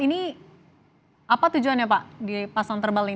ini apa tujuannya pak dipasang terpal ini